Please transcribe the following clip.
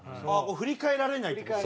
振り返られないって事？